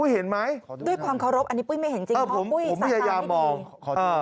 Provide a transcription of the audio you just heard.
หรอด้วยความเคารพอันนี้ปุ๊กไม่เห็นจริงเพราะปุ๊กสะท้ายดี